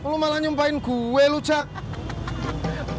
lu malah nyumpain gue lu cak